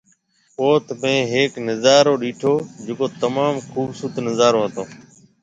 اوٿ مينهه هيڪ نظارو ڏيٺو جڪو تموم خوبصورت نظارو هتو